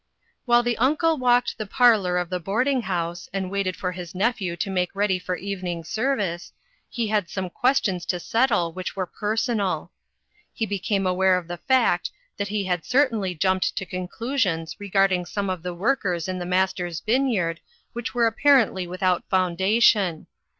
" While the uncle walked the parlor of the boarding house, and waited for. his nephew to make ready for evening service, he had some questions to settle which were per sonal. He became aware of the fact that he had certainly jumped to conclusions re garding some of the workers in the Mas ter's vineyard which were apparently with out foundation.